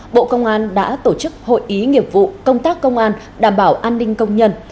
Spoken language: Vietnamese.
bộ công an đã tổ chức hội ý nghiệp vụ công tác công an đảm bảo an ninh công nhân